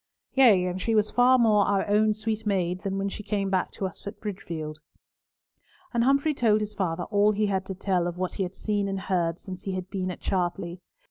"Yea, and she was far more our own sweet maid than when she came back to us at Bridgefield." And Humfrey told his father all he had to tell of what he had seen and heard since he had been at Chartley.